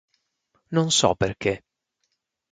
Non so perché.